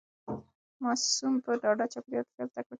ماسوم په ډاډه چاپیریال کې ښه زده کړه کوي.